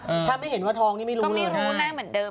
ถ้าไม่เห็นว่าท้องนี่ไม่รู้เลย